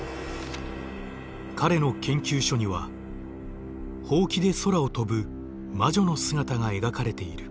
彼の研究書にはほうきで空を飛ぶ魔女の姿が描かれている。